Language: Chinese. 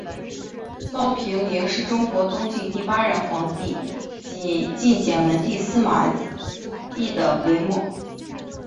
高平陵是中国东晋第八任皇帝晋简文帝司马昱的陵墓。